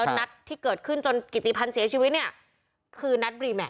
อาจดูรูขาดฮะ